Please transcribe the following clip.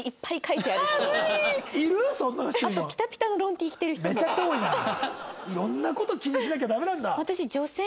いろんな事気にしなきゃダメなんだ。